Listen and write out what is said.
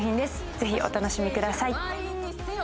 ぜひお楽しみください。